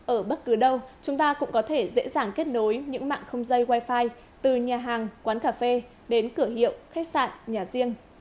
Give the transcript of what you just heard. ở bất cứ đâu chúng ta cũng có thể dễ dàng kết nối những mạng không dây wifi từ nhà hàng quán cà phê đến cửa hiệu khách sạn nhà riêng